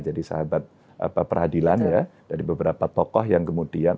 jadi sahabat peradilan dari beberapa tokoh yang kemudian